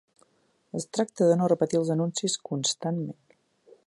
Es tracta de no repetir els anuncis constantment.